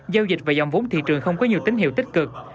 giao dịch và dòng vốn thị trường không có nhiều tín hiệu tích cực